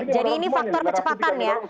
jadi ini faktor kecepatan ya